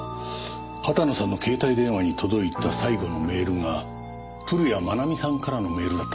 畑野さんの携帯電話に届いた最後のメールが古谷愛美さんからのメールだったものですから。